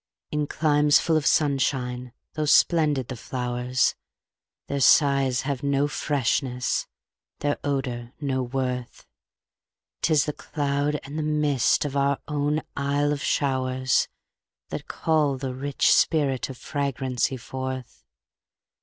In climes full of sunshine, tho' splendid the flowers, Their sighs have no freshness, their odor no worth; 'Tis the cloud and the mist of our own Isle of showers, That call the rich spirit of fragrancy forth.